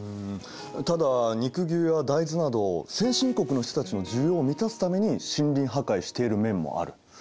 ただ肉牛や大豆など先進国の人たちの需要を満たすために森林破壊している面もある。